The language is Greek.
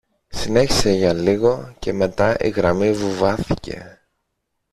Συνέχισε για λίγο και μετά η γραμμή βουβάθηκε